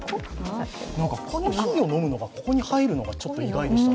コーヒーを飲むのがここに入るのが意外でした。